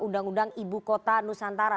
undang undang ibu kota nusantara